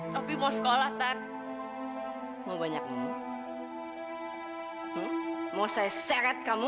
tapi mau sekolah tan mau banyakmu mau saya seret kamu